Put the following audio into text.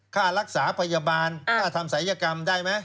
ค่ารักษาพยาบาลค่าทำศัยกรรมได้ไหม